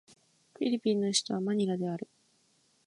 フィリピンの首都はマニラである